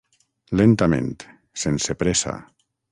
Lentament, sense pressa.